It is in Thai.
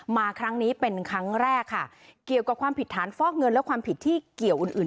มาครั้งนี้เป็นครั้งแรกค่ะเกี่ยวกับความผิดฐานฟอกเงินและความผิดที่เกี่ยวอื่นอื่น